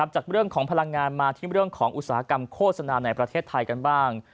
จากเรื่องของพลังงานมาที่เรื่องของอุตสาหกรรมโฆษณาในประเทศไทยกันบ้าง